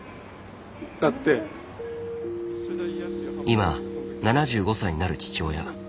今７５歳になる父親。